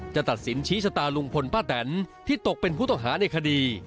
จะตัดสินชี้ชะตาลุงพลป้าแตนที่ตกเป็นผู้ต้องหาในคดี